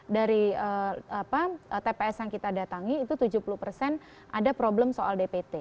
dari tps yang kita datangi itu tujuh puluh persen ada problem soal dpt